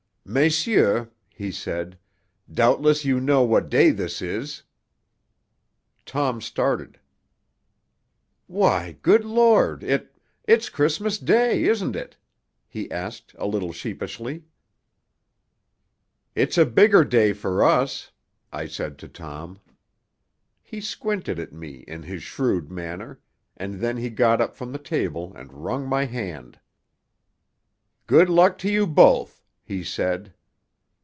"Messieurs," he said, "doubtless you know what day this is?" Tom started. "Why, good Lord, it it's Christmas Day, isn't it?" he asked, a little sheepishly. "It's a bigger day for us," I said to Tom. He squinted at me in his shrewd manner; and then he got up from the table and wrung my hand. "Good luck to you both," he said.